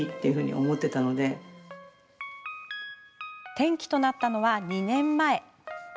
転機となったのは２年前。